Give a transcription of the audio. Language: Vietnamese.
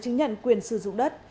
trứng nhận quyền sử dụng đất